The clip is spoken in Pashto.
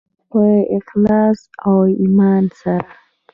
په اخلاص او ایمان سره.